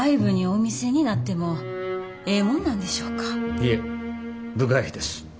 いえ部外秘です。